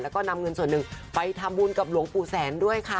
แล้วก็นำเงินส่วนหนึ่งไปทำบุญกับหลวงปู่แสนด้วยค่ะ